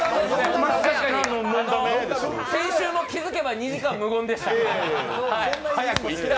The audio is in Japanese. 先週も、気付けば２時間無言でした。